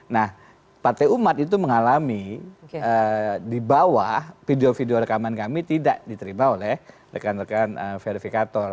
nah partai umat itu mengalami di bawah video video rekaman kami tidak diterima oleh rekan rekan verifikator